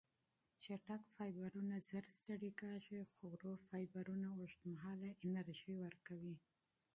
چټک فایبرونه ژر ستړې کېږي، خو ورو فایبرونه اوږدمهاله انرژي ورکوي.